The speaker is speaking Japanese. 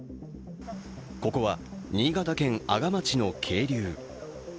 ここは新潟県阿賀町の渓流。